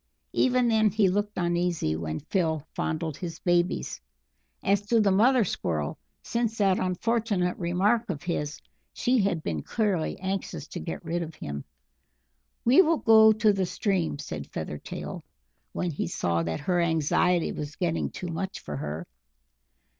Even then he looked uneasy when Phil fondled his babies; as to the mother Squirrel, since that unfortunate remark of his, she had been clearly anxious to get rid of him. "We will go to the stream," said Feathertail, when he saw that her anxiety was getting too much for her.